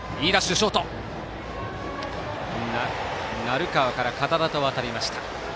鳴川から堅田と渡りました。